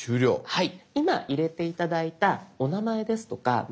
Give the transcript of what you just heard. はい。